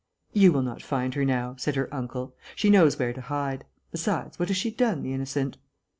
"You will not find her now," said her uncle. "She knows where to hide. Besides, what has she done, the innocent?"